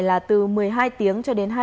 là từ một mươi hai h cho đến hai h